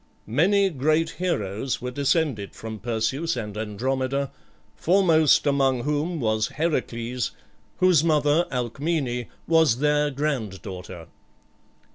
Many great heroes were descended from Perseus and Andromeda, foremost among whom was Heracles, whose mother, Alcmene, was their granddaughter.